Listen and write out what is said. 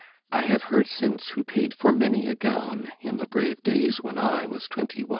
I have heard since who paid for many a gown, In the brave days when I was twenty one.